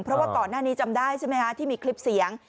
เพราะว่าก่อนหน้านี้จำได้ใช่ไหมคะที่มีคลิปเสียง